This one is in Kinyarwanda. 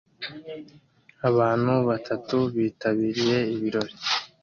Abantu batatu bitabiriye ibirori